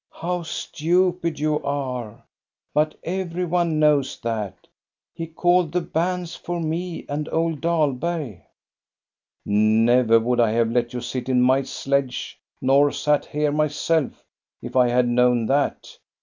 "" How stupid you are ! but every one knows that. He called the banns for me and old Dahlberg." " Never would I have let you sit in my sledge nor sat here myself, if I had known that.